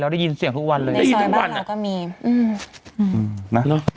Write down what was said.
เราได้ยินเสียงทุกวันเลยในซอยบ้านเราก็มีอืมอืมน่ะ